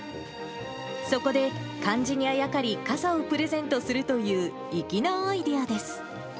そこで、漢字にあやかり、傘をプレゼントするという粋なアイデアです。